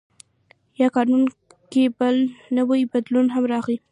په قانون کې بل نوی بدلون هم راغی.